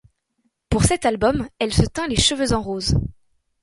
Pour cet album, elle se teint les cheveux en rose.